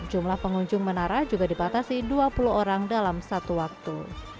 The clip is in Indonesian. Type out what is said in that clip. jumlah pengunjung menara juga dibatasi dua puluh orang dalam satu waktu